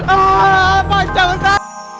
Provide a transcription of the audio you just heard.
aaaahhh panjang ta